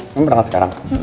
emang berangkat sekarang